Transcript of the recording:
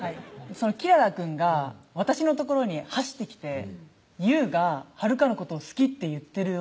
その黄良々くんが私の所に走ってきて「雄が晴香のことを好きって言ってるよ」